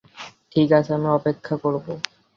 ঠিক আছে, আমি অপেক্ষা করব।